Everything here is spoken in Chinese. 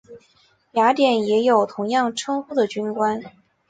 雅典也有同样称呼的军官。